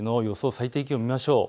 最低気温を見ましょう。